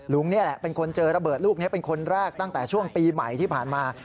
ลุงนี่แหละเป็นคนเจอระเบิดลูกนี้เป็นคนแรกตั้งแต่ช่วงปีใหม่ที่ผ่านมา